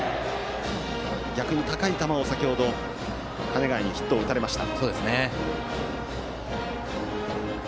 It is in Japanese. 逆に高い球を先程鐘ヶ江にヒットを打たれました。